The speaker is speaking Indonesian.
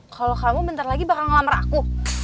kalau kamu bentar lagi bakal ngelamar aku